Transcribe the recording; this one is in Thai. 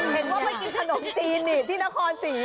เห็นว่าไปกินขนมจีนนี่ที่นครศรี